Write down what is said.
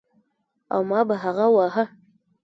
او ما به هغه واهه.